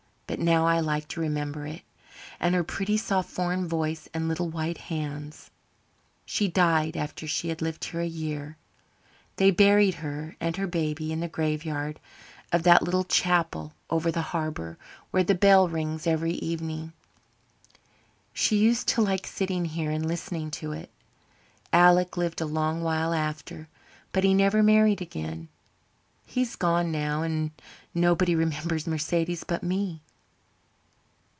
But now I like to remember it. And her pretty soft foreign voice and little white hands. She died after she had lived here a year. They buried her and her baby in the graveyard of that little chapel over the harbour where the bell rings every evening. She used to like sitting here and listening to it. Alec lived a long while after, but he never married again. He's gone now, and nobody remembers Mercedes but me."